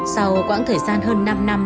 sau quãng thời gian hơn năm năm